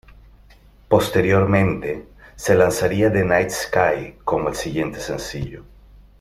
Posteriormente, se lanzaría The Night Sky como el siguiente sencillo.